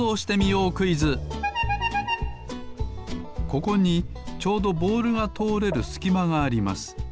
ここにちょうどボールがとおれるすきまがあります。